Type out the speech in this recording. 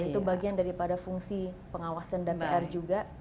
itu bagian dari pada fungsi pengawasan dan pr juga